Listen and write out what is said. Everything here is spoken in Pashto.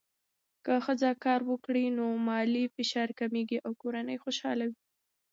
که ښځه کار وکړي، نو مالي فشار کمېږي او کورنۍ خوشحاله وي.